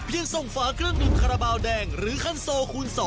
เพียงส่งฝากรุ่นคาราบาลแดงหรือคันโซคูณ๒